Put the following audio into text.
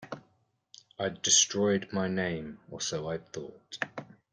I'd destroyed my name, or so I thought.